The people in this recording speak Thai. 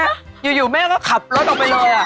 อยู่แม่ก็ขับรถออกไปเลย